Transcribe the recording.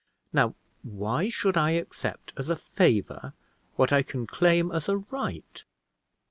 Now, why should I accept as a favor what I can claim as a right!